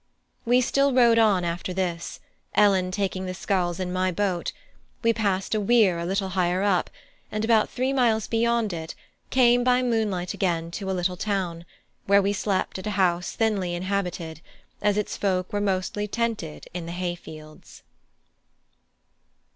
We still rowed on after this, Ellen taking the sculls in my boat; we passed a weir a little higher up, and about three miles beyond it came by moonlight again to a little town, where we slept at a house thinly inhabited, as its folk were mostly tented in the hay fields.